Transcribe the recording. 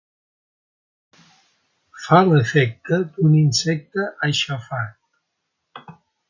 Fa l'efecte d'un insecte aixafat.